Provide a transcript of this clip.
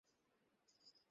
না, আমি নাচতে জানি না।